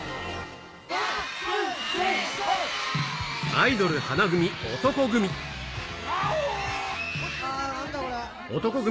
アイドル花組おとこ組。